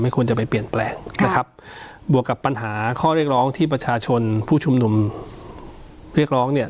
ควรจะไปเปลี่ยนแปลงนะครับบวกกับปัญหาข้อเรียกร้องที่ประชาชนผู้ชุมนุมเรียกร้องเนี่ย